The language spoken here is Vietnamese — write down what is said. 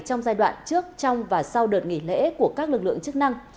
trong giai đoạn trước trong và sau đợt nghỉ lễ của các lực lượng chức năng